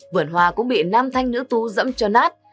vườn hoa cũng bị nam thanh nữ tú dẫm cho nát